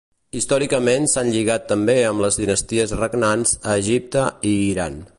Històricament s'han lligat també amb les dinasties regnants a Egipte i Iran.